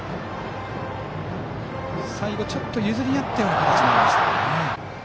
最後、ちょっと譲り合ったような形もありました。